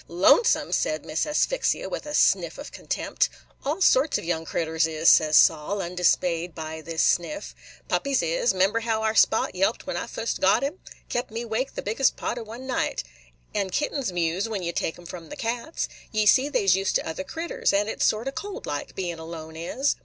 "Lonesome!" said Miss Asphyxia, with a sniff of contempt. "All sorts of young critters is," said Sol, undismayed by this sniff "Puppies is. 'member how our Spot yelped when I fust got him? Kept me 'wake the biggest part of one night. And kittens mews when ye take 'em from the cats. Ye see they 's used to other critters; and it 's sort o' cold like, bein' alone is."